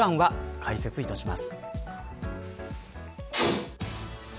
解説いたします。